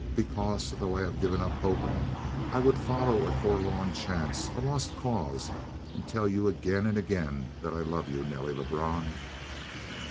Because, though I have given up hope, I would follow a forlorn chance, a lost cause, and tell you again and again that I love you, Nelly Lebrun!"